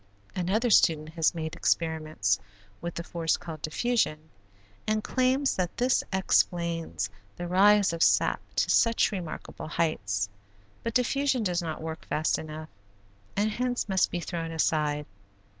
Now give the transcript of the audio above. Another student has made experiments with the force called diffusion, and claims that this explains the rise of sap to such remarkable heights; but diffusion does not work fast enough and hence must be thrown aside.